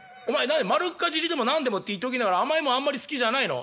丸っかじりでも何でもって言っときながら甘いもんあんまり好きじゃないの？」。